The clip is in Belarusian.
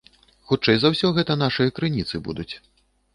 Хутчэй за ўсё гэта нашыя крыніцы будуць.